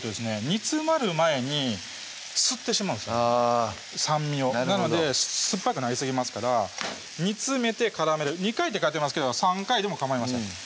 煮詰まる前に吸ってしまうんです酸味をなので酸っぱくなりすぎますから煮詰めて絡める「２回」って書いてますけど３回でもかまいません